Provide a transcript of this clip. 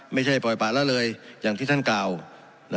ไม่ใช่ปล่อยป่าละเลยอย่างที่ท่านกล่าว